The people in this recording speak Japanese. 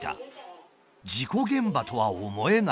事故現場とは思えないが。